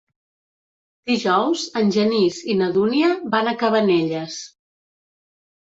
Dijous en Genís i na Dúnia van a Cabanelles.